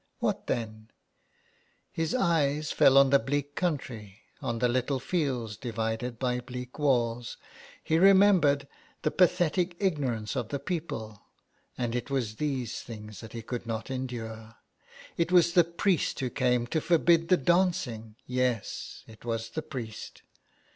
What then ? His eyes fell on the bleak country, on the little fields divided by bleak walls; he remembered the pathetic ignorance of the people, and it was these things that he could not endure. It was the priest who came to forbid the dancing. Yes, it was the priest.